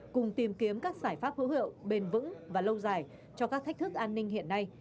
cùng tìm kiếm các giải pháp hữu hiệu bền vững và lâu dài cho các thách thức an ninh hiện nay